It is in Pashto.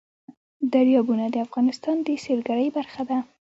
دریابونه د افغانستان د سیلګرۍ برخه ده.